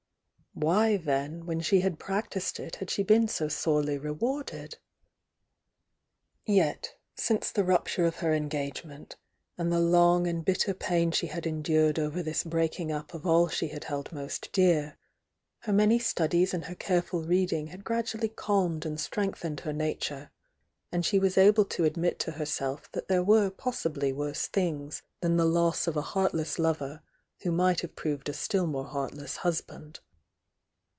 Why then, when she had practised it, had she been so sorely rewarded? Yet, since the rupture of her engagement, and the long and bitter pain she had endured over this breaking up of all she had held most dear, her many studies and her careful reading had gradually cahned and strengthened her nature, and she was able to admit to herself that there were possibly worse things than the loss of a heartless lover who might have proved a still more heartless husband.